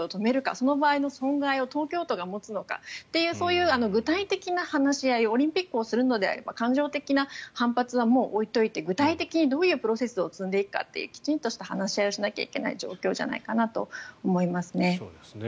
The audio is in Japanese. その場合の損害を東京都が持つのかというそういう具体的な話し合いオリンピックをするのであれば感情的な反発はもう置いておいて具体的にどういうプロセスを積んでいくかというきちんとした話し合いをしなければいけない状況じゃないかなと思いますね。